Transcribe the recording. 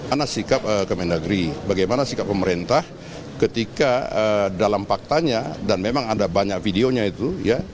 ada sikap kemendagri bagaimana sikap pemerintah ketika dalam faktanya dan memang ada banyak videonya itu ya